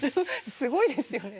すごいですよね。